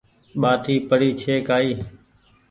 ٻآٽي پڙي ڇي ڪآئي